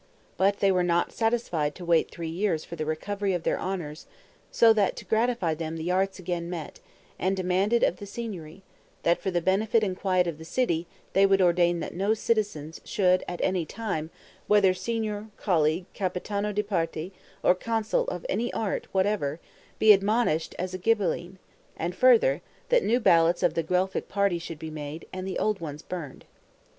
But they were not satisfied to wait three years for the recovery of their honours; so that to gratify them the Arts again met, and demanded of the Signory, that for the benefit and quiet of the city, they would ordain that no citizens should at any time, whether Signor, Colleague, Capitano di Parte, or Consul of any art whatever, be admonished as a Ghibelline; and further, that new ballots of the Guelphic party should be made, and the old ones burned.